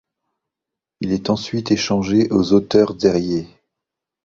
Il est ensuite échangé aux Otters d'Érié.